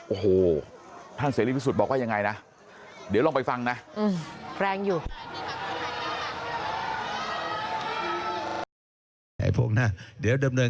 โอ้โหท่านเศรีพิสุทธิ์บอกว่ายังไงนะ